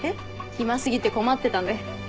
暇過ぎて困ってたんで。